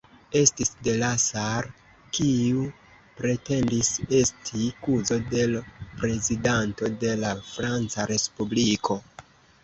Estis Delasar, kiu pretendis esti kuzo de l' Prezidanto de la Franca Respubliko.